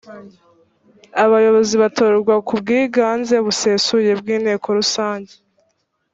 abayobozi batorwa kubwiganze busesuye bw’ inteko rusange.